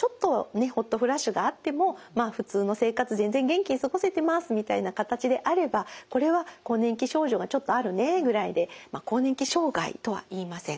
ホットフラッシュがあっても普通の生活全然元気に過ごせてますみたいな形であればこれは更年期症状がちょっとあるねぐらいで更年期障害とはいいません。